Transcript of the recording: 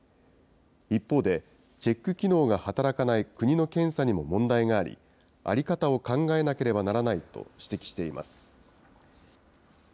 一方で、チェック機能が働かない国の検査にも問題があり、在り方を考えなければならないと指摘しています。